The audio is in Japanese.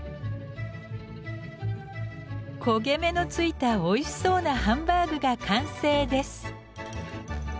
焦げ目の付いたおいしそうなハンバーグが完成です。